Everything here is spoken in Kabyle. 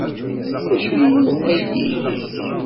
D acu ay yuɣen aydi-nnek?